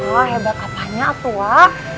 wah hebat apanya tuh wak